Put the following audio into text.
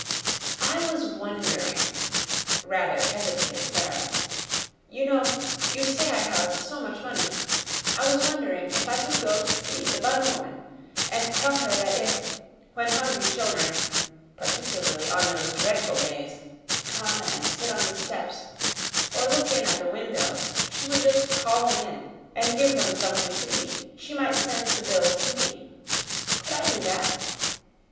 "I was wondering," rather hesitated Sara "you know, you say I have so much money I was wondering if I could go to see the bun woman, and tell her that if, when hungry children particularly on those dreadful days come and sit on the steps, or look in at the window, she would just call them in and give them something to eat, she might send the bills to me. Could I do that?"